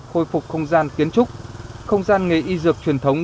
khôi phục không gian kiến trúc không gian nghề y dược truyền thống